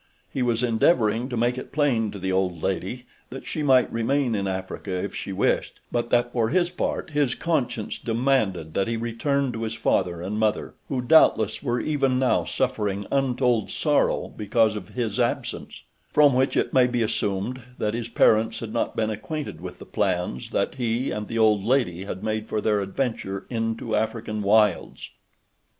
He was endeavoring to make it plain to the old lady that she might remain in Africa if she wished but that for his part his conscience demanded that he return to his father and mother, who doubtless were even now suffering untold sorrow because of his absence; from which it may be assumed that his parents had not been acquainted with the plans that he and the old lady had made for their adventure into African wilds.